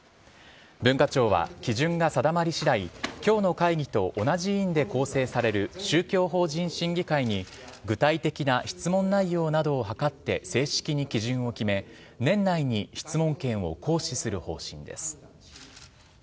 文化庁は基準が定まりしだい、きょうの会議と同じ委員で構成される宗教法人審議会に、具体的な質問内容などを諮って正式に基準を決め、年内に質問権を行使する方針です。